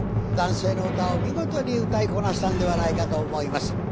男性の歌を見事に歌いこなしたんではないかと思います。